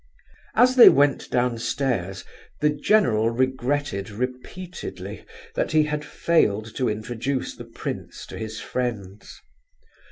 As they went downstairs the general regretted repeatedly that he had failed to introduce the prince to his friends.